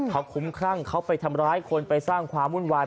เขาคุ้มครั่งเขาไปทำร้ายคนไปสร้างความวุ่นวาย